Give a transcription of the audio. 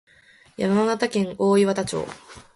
山形県大石田町